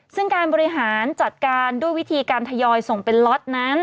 ซึ่งการบริหารจัดการด้วยวิธีการทยอยส่งเป็นล็อตนั้น